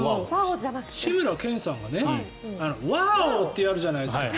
志村けんさんがワオ！ってやるじゃないですか。